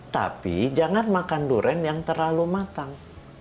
tapi jangan makan durian yang terlalu matang